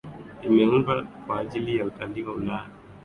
Imeundwa kwa ajili ya utalii wa Ulaya